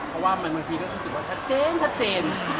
เพราะว่ามันเมื่อกี้ก็รู้สึกว่าชัดเจน